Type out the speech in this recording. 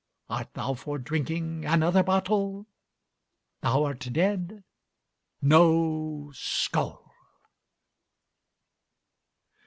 Art thou for drinking Another bottle? Thou art dead? No Skål!